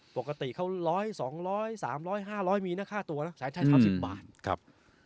ปกติเขา๑๐๐๒๐๐๓๐๐๕๐๐มีนะค่าตัวนะแสนทั้ง๓๐บาท